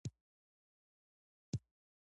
مېلې د طبیعي ښکلاوو نندارې ته هم زمینه برابروي.